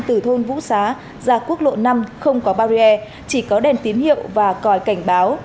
từ thôn vũ xá ra quốc lộ năm không có barrier chỉ có đèn tín hiệu và còi cảnh báo